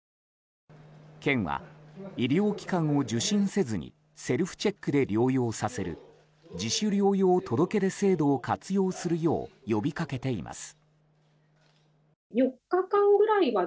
県は医療機関を受診せずにセルフチェックで療養させる自主療養届出制度を活用するよう呼びかけています。